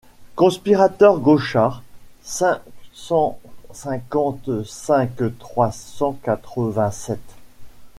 Conspirateurs Gauchard cinq cent cinquante-cinq trois cent quatre-vingt-sept.